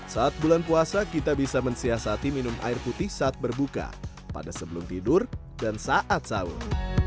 saat bulan puasa kita bisa mensiasati minum air putih saat berbuka pada sebelum tidur dan saat sahur